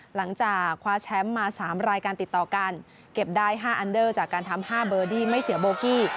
หลังจากคว้าแชมป์มา๓รายการติดต่อกันเก็บได้๕อันเดอร์จากการทำ๕เบอร์ดี้ไม่เสียโบกี้